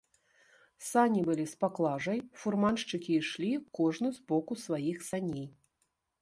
Сані былі з паклажай, фурманшчыкі ішлі кожны з боку сваіх саней.